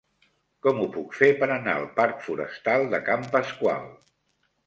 Com ho puc fer per anar al parc Forestal de Can Pasqual?